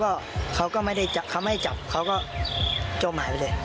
แล้วเค้าก็ไม่ได้จับเค้าก็จมหายไปเลย